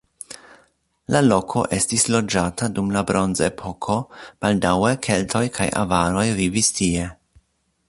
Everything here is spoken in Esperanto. La loko estis loĝata dum la bronzepoko, baldaŭe keltoj kaj avaroj vivis tie.